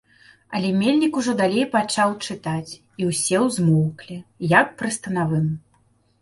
Але мельнік ужо далей пачаў чытаць, і ўсе змоўклі, як пры станавым.